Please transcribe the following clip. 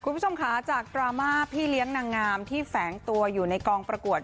คุณผู้ชมค่ะจากดราม่าพี่เลี้ยงนางงามที่แฝงตัวอยู่ในกองประกวด